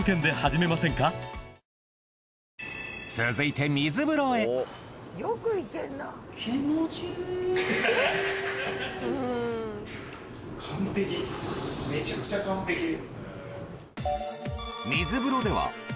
めちゃくちゃ完璧です。